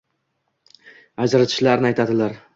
ajratishlarini aytadilar.